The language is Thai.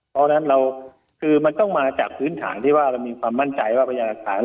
เพราะฉะนั้นมันต้องมาจากพื้นฐานที่ว่าเรามีความมั่นใจในปริยาฐาน